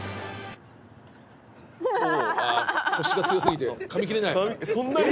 あコシが強過ぎてかみ切れないんだ。